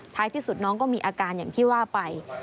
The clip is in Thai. ที่สุดน้องก็มีอาการอย่างที่ว่าไป